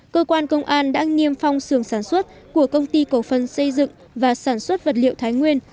cơ quan công an đã nghiêm phong sườn sản xuất của công ty cổ phần xây dựng và sản xuất vật liệu thái nguyên